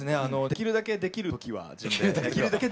できるだけできる時は自分で。